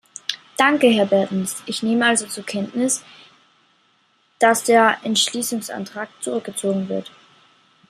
Danke, Herr Bertens, ich nehme also zur Kenntnis, dass der Entschließungsantrag zurückgezogen wird.